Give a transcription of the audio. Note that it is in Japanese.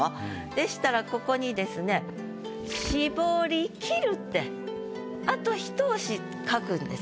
でしたらここにですねってあとひと押し書くんです。